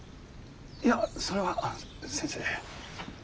いやそれは先生。